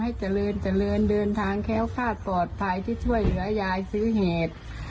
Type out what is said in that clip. เจริญเจริญเดินทางแค้วคาดปลอดภัยที่ช่วยเหลือยายซื้อเหตุ